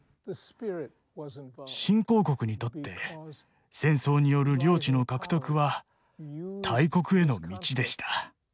新興国にとって戦争による領地の獲得は大国への道でした。